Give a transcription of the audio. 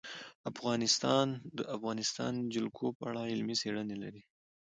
افغانستان د د افغانستان جلکو په اړه علمي څېړنې لري.